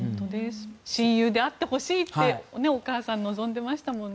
親友であってほしいとお母さんは望んでいましたものね。